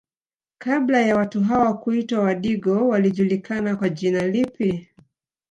Kabla ya watu hawa kuitwa wadigo walijulikana kwa jina lipi